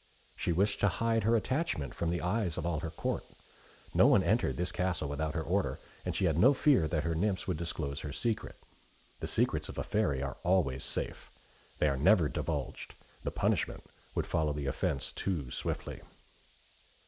She wished to hide her attachment from the eyes of all her Court. No one entered this castle without her order, and she had no fear that her nymphs would disclose her secret. The secrets of a Fairy are always safe. They are never divulged; the punishment would follow the offence too swiftly.